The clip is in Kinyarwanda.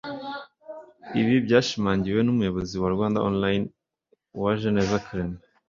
Ibi byashimangiwe n’umuyobozi wa Rwanda Online Uwajeneza Clement